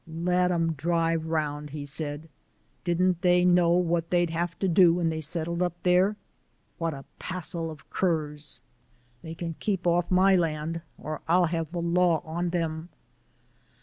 "Let 'em drive round," he said. "Didn't they know what they'd have to do when they settled up there? What a passel o' curs! They can keep off o' my land, or I'll have the law on 'em."